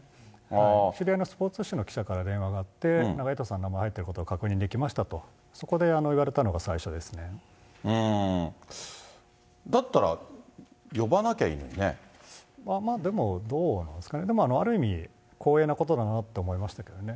知り合いのスポーツ紙の記者から電話があって、エイトさんの名前入ってることが確認できましたと、そこで言われだったら、まあでも、どうなんですかね、でもある意味、光栄なことだなって思いましたけどね。